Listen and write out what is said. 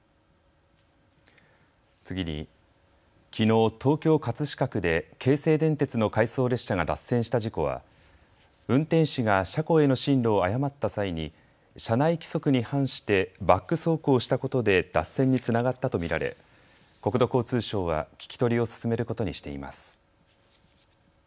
次に、きのう、東京・葛飾区で京成電鉄の回送列車が脱線した事故は、運転士が車庫への進路を誤った際に、社内規則に反して、バック走行したことで脱線につながったと見られ、国土交通省は、聞き取りを進めることにしています。